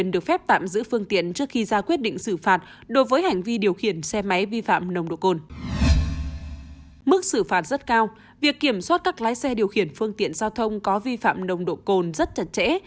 mức xử phạt rất cao việc kiểm soát các lái xe điều khiển phương tiện giao thông có vi phạm nồng độ cồn rất chặt chẽ